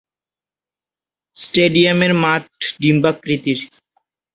স্টেডিয়ামটির মাঠ ডিম্বাকৃতির।